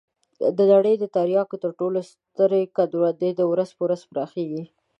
د نړۍ د تریاکو تر ټولو سترې کروندې ورځ په ورځ پراخېږي.